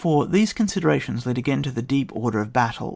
These considerations lead again to the deep order of battle.